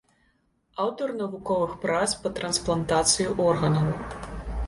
Аўтар навуковых прац па трансплантацыі органаў.